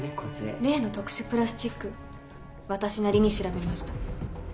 例の特殊プラスチック私なりに調べました。